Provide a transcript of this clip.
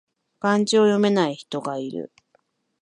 漢字を読めない人がいる